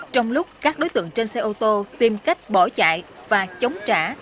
trong lúc các đối tượng trên xe ô tô tìm cách bỏ chạy và chống trả